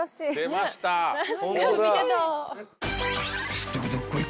［すっとこどっこい！